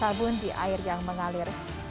harganya berapa makeshift